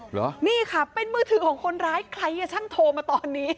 เหรอนี่ค่ะเป็นมือถือของคนร้ายใครอ่ะช่างโทรมาตอนนี้